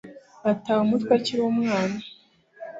Yataye umutwe akiri umwana